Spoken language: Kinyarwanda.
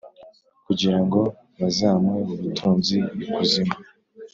Kugirango bazamuhe ubutunzi ikuzimu